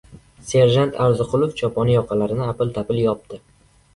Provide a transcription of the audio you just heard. Serjant Orziqulov choponi yoqalarini apil-tapil yopdi.